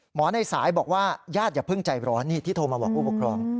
ในสายบอกว่าญาติอย่าเพิ่งใจร้อนนี่ที่โทรมาบอกผู้ปกครอง